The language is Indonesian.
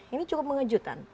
ini cukup mengejutkan